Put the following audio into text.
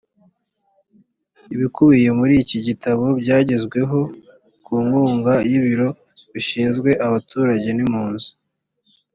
ibikubiye muri iki gitabo byagezweho ku nkunga y’ibiro bishinzwe abaturage n’ impunzi